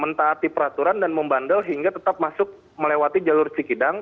mentaati peraturan dan membandel hingga tetap masuk melewati jalur cikidang